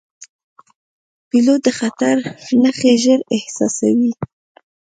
پیلوټ د خطر نښې ژر احساسوي.